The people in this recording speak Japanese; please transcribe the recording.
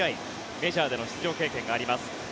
メジャーでの出場経験があります。